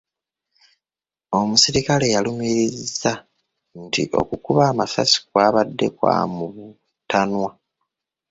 Omusirikale yalumirizza nti okukuba amasasi kwabadde kwa mu butanwa.